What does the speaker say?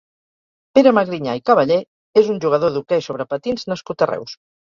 Pere Magriñà i Cavallé és un jugador d'hoquei sobre patins nascut a Reus.